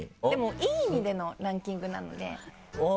悪い意味でのランキングでは。